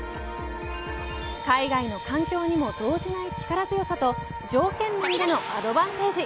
海外の環境にも動じない力強さと条件面でのアドバンテージ。